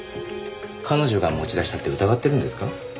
彼女が持ち出したって疑ってるんですか？